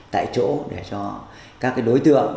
tại chỗ để cho các đối tượng